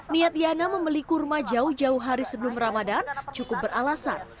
niat yana membeli kurma jauh jauh hari sebelum ramadan cukup beralasan